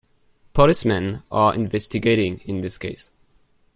Policemen are investigating in this case.